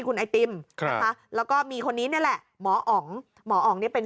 คุณไอติมแล้วก็มีคนนี้เนี่ยแหละหมออ๋องหมออ๋องเป็น